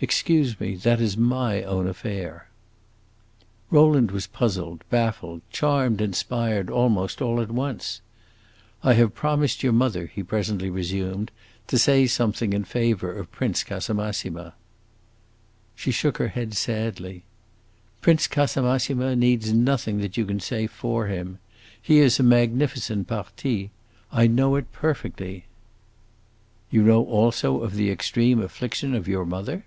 "Excuse me; that is my own affair." Rowland was puzzled, baffled, charmed, inspired, almost, all at once. "I have promised your mother," he presently resumed, "to say something in favor of Prince Casamassima." She shook her head sadly. "Prince Casamassima needs nothing that you can say for him. He is a magnificent parti. I know it perfectly." "You know also of the extreme affliction of your mother?"